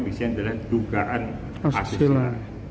diisi adalah dugaan asusila